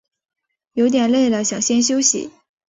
有点累了想先休息